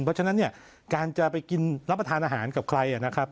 เพราะฉะนั้นเนี่ยการจะไปกินรับประทานอาหารกับใครนะครับ